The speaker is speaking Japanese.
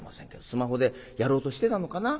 スマホでやろうとしてたのかな？